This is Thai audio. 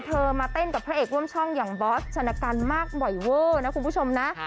มาเต้นกับพระเอกร่วมช่องอย่างบอสชนะกันมากบ่อยเวอร์นะคุณผู้ชมนะ